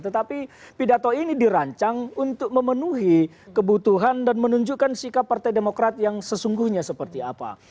tetapi pidato ini dirancang untuk memenuhi kebutuhan dan menunjukkan sikap partai demokrat yang sesungguhnya seperti apa